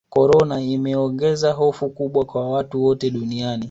korona imeogeza hofu kubwa kwa watu wote duniani